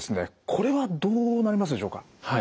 これはどうなりますでしょうか。